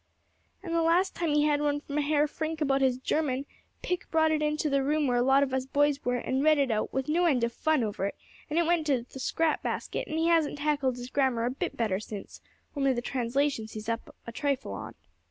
"And the last time he had one from Herr Frincke about his German, Pick brought it into the room where a lot of us boys were, and read it out, with no end of fun over it, and it went into the scrap basket; and he hasn't tackled his grammar a bit better since; only the translations he's up a trifle on."